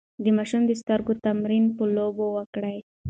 د ماشوم د سترګو تمرين په لوبو وکړئ.